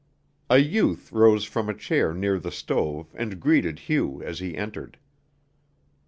A youth rose from a chair near the stove and greeted Hugh as he entered.